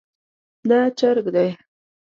دا چرګ دی